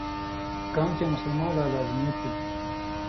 کؤں چے مسُلمؤں لا لازمی تھی